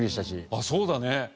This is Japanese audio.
ああそうだね！